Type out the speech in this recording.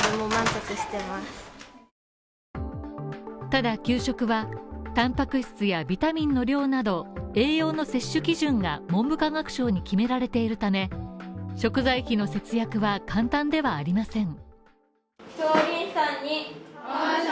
ただ給食はタンパク質やビタミンの量など栄養の摂取基準が文部科学省に決められているため、食材費の節約は簡単ではありません。